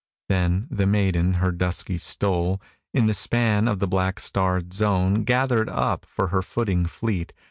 Then the maiden her dusky stole, In the span of the black starred zone, Gathered up for her footing fleet.